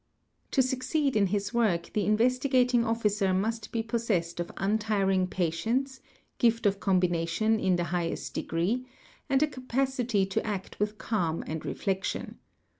To succeed in his work the Investigating Officer must be posses sed of untiring patience, gift of combination in the highest degree, and _ a capacity to act with calm and reflection.